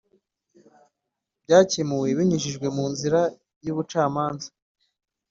Byakemuwe binyujijwe mu nzira z’ubucamanza